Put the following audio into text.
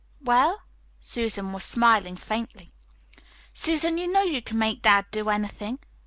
"Well?" Susan was smiling faintly. "Susan, you know you can make dad do anything."